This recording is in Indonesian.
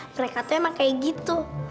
mereka tuh emang kayak gitu